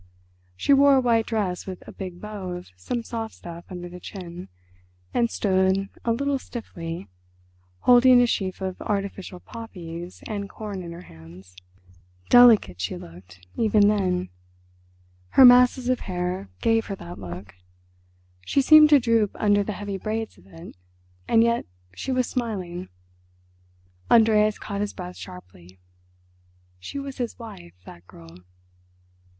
She wore a white dress with a big bow of some soft stuff under the chin, and stood, a little stiffly, holding a sheaf of artificial poppies and corn in her hands. Delicate she looked even then; her masses of hair gave her that look. She seemed to droop under the heavy braids of it, and yet she was smiling. Andreas caught his breath sharply. She was his wife—that girl.